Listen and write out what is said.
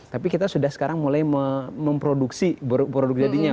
tapi kita sudah sekarang mulai memproduksi produk jadinya